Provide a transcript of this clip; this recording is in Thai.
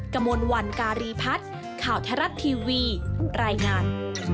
กระมวลวันการีพัฒน์ข่าวไทยรัฐทีวีรายงาน